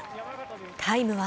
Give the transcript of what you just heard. タイムは？